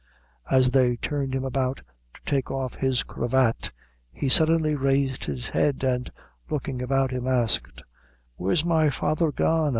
As they turned him about, to take off his cravat, he suddenly raised his head, and looking about him, asked "Where's my father gone?